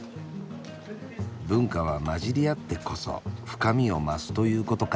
文化は混じり合ってこそ深みを増すということか。